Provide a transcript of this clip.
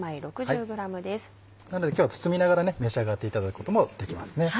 なので今日は包みながら召し上がっていただくこともできます。